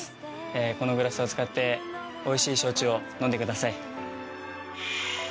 このグラスを使っておいしい焼酎を飲んでください。